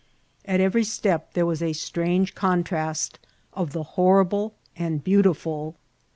At every step there was a strange contrast of the horrible and beautiful.